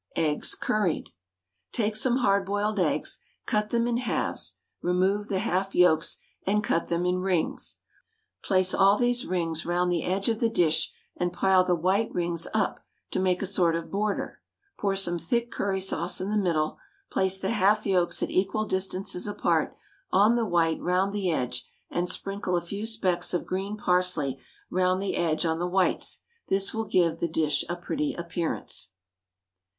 EGGS, CURRIED. Take some hard boiled eggs, cut them in halves (remove the half yolks), and cut them into rings. Place all these rings round the edge of the dish, and pile the white rings up to make a sort of border; pour some thick curry sauce in the middle, place the half yolks at equal distances apart, on the white round the edge, and sprinkle a few specks of green parsley round the edge on the whites; this will give the dish a pretty appearance.